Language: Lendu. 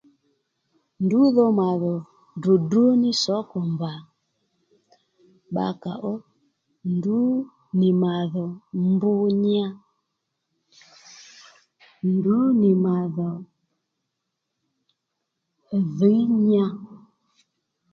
Ndrǔ dho mà dhò dròdró ní sǒkò mbà bbakàó ndrǔ nì mà dhò mb nya ndrǔ nì mà dhò dhǐy nya